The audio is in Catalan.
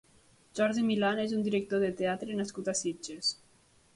Jordi Milán és un director de teatre nascut a Sitges.